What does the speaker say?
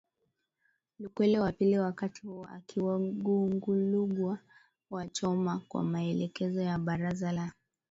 lukwele wa pili wakati huo akiwa Gungulugwa wa Choma kwa maelekezo ya Baraza la